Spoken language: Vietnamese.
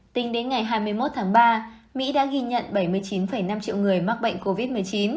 tính đến ngày hai mươi một tháng ba mỹ đã ghi nhận bảy mươi chín năm triệu người mắc bệnh covid một mươi chín